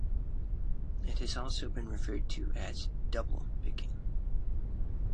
It has also been referred to as "double" picking.